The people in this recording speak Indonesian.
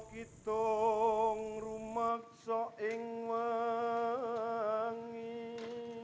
ketika rumah saya mengingat